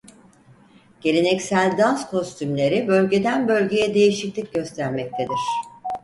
Geleneksel dans kostümleri bölgeden bölgeye değişiklik göstermektedir.